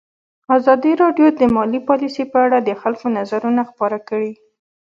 ازادي راډیو د مالي پالیسي په اړه د خلکو نظرونه خپاره کړي.